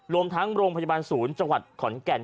รวมทั้งโรงพยาบาลศูนย์จังหวัดขอนแก่น